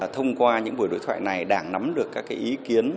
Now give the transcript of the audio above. thông qua những buổi đối thoại này đảng nắm được các ý kiến